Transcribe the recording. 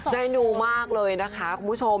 ได้ดูมากเลยนะคะคุณผู้ชม